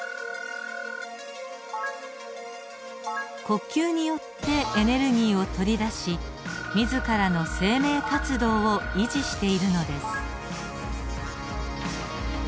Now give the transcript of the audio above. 呼吸によってエネルギーを取り出し自らの生命活動を維持しているのです。